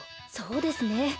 そうですね。